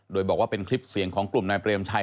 โดยบอกว่าเป็นคลิปเสียงของกลุ่มนายเปรมชัย